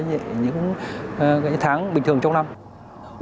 ubnd nguyễn văn nguyên ubnd nguyễn văn nguyễn ubnd nguyễn văn nguyễn ubnd nguyễn văn nguyễn